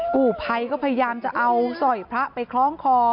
กู้ภัยก็พยายามจะเอาสร้อยพระไปคล้องคอ